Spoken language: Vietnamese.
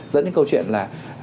dẫn đến câu chuyện là